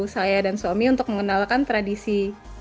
saya dan suami untuk mengenalkan tradisi